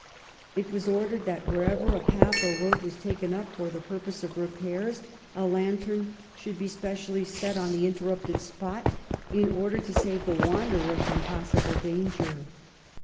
It was ordered that wherever a road or path was taken up for the purpose of repairs a lantern should be specially set on the interrupted spot in order to save the wanderer from possible danger.